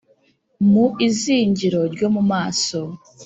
Mu izingiro ryo mu maso